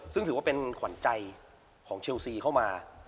ซึ่งถือว่าเป็นขวัญใจของเชลซีเข้ามา